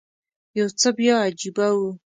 یو څه بیا عجیبه و.